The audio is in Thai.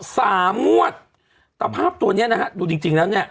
สามงวดตะภาพตัวเนี้ยนะฮะดูจริงจริงแล้วเนี้ย